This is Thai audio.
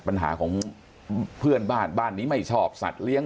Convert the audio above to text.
ปัญหาของเพื่อนบ้านบ้านนี้ไม่ชอบสัตว์เลี้ยง